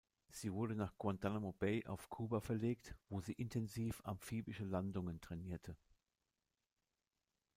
Sie wurde nach Guantánamo Bay auf Kuba verlegt, wo sie intensiv amphibische Landungen trainierte.